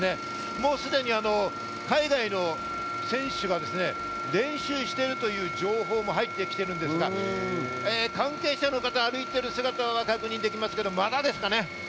もうすでに海外の選手が練習しているという情報も入ってきているんですが、関係者の方が歩いてる姿が確認できますが、まだですかね。